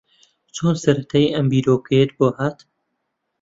چۆن سەرەتا ئەم بیرۆکەیەت بۆ ھات؟